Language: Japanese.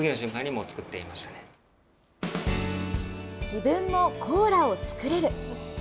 自分もコーラを作れる。